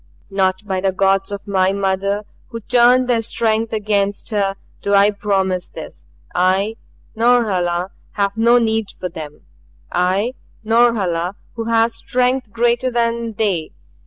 "Not by the gods of my mother who turned their strength against her do I promise this. I, Norhala, have no need for them I, Norhala, who have strength greater than they.